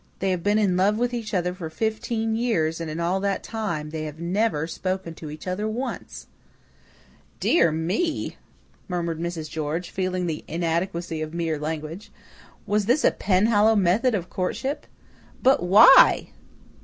They have been in love with each other for fifteen years and in all that time they have never spoken to each other once!" "Dear me!" murmured Mrs. George, feeling the inadequacy of mere language. Was this a Penhallow method of courtship? "But WHY?"